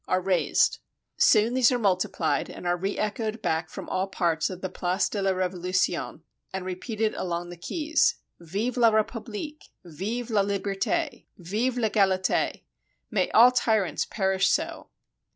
are raised. Soon these are mul tiplied, and are reechoed back from all parts of the Place de la Revolution, and repeated along the quays —" Vive la Republique!" "Vive la Liberie !" "Vive VEgalite!'' "May all tyrants perish so!"